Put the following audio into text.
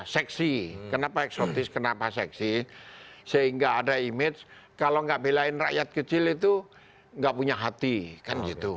seksi kenapa eksotis kenapa seksi sehingga ada image kalau nggak belain rakyat kecil itu nggak punya hati kan gitu